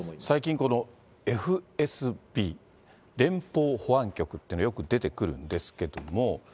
最近、このＦＳＢ・連邦保安局というのがよく出てくるんですけども。